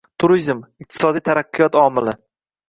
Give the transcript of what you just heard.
Turizm – iqtisodiy taraqqiyot omili